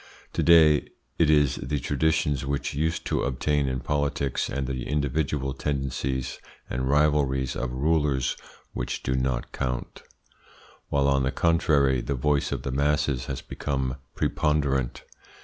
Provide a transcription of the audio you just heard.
To day it is the traditions which used to obtain in politics, and the individual tendencies and rivalries of rulers which do not count; while, on the contrary, the voice of the masses has become preponderant.